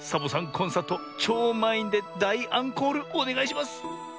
コンサートちょうまんいんでだいアンコールおねがいします！